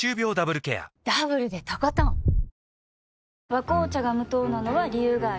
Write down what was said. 「和紅茶」が無糖なのは、理由があるんよ。